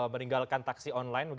meninggalkan taksi online